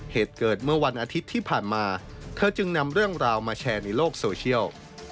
เหตุเกิดเมื่อวันอาทิตย์ที่ผ่านมาเธอจึงนำเรื่องราวมาแชร์ในโลกโซเชียล